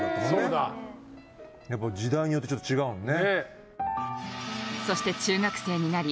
やっぱ時代によってちょっと違うのね。